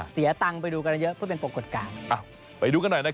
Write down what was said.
เสียตังค์ไปดูกันเยอะเพื่อเป็นปรากฏการณ์ไปดูกันหน่อยนะครับ